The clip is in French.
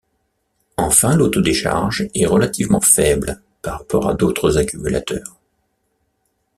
Enfin, l'auto-décharge est relativement faible par rapport à d'autres accumulateurs.